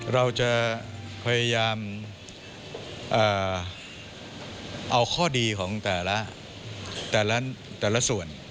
เราจะพยายามเอาข้อดีของแต่ละส่วน